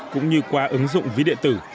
cũng như qua ứng dụng ví địa tử